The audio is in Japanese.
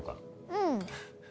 うん